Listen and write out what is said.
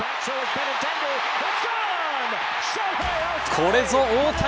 これぞ大谷。